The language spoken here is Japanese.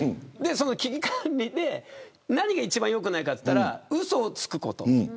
その危機管理で何が一番よくないかといったらうそをつくこと。